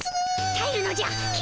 たえるのじゃ金。